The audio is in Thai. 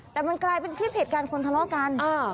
แต่มันกลายเป็นคลิปเหตุการณ์คนทะเลาะกัน